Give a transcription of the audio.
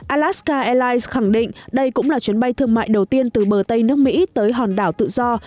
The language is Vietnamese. alaska airlines khẳng định đây cũng là chuyến bay thương mại đầu tiên từ bờ tây nước mỹ tới hòn đảo tự do